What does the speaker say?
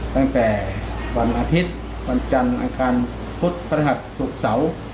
ตั้งแต่วันอาทิตย์วันจันทร์อาการพุทธพัทธาตุศุกร์เสา